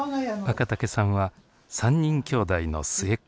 若竹さんは３人きょうだいの末っ子。